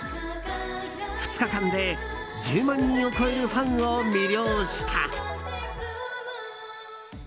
２日間で１０万人を超えるファンを魅了した。